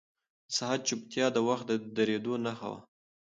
د ساعت چوپتیا د وخت د درېدو نښه وه.